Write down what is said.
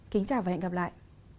kính chào và hẹn gặp lại